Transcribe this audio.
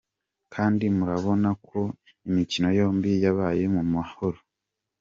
Kandi murabona ko imikino yombi yabaye mu mahoro.”